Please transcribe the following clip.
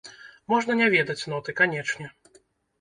Можна не ведаць ноты, канечне.